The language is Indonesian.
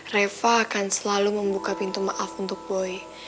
reva akan selalu membuka pintu maaf untuk boy